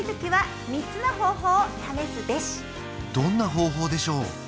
どんな方法でしょう？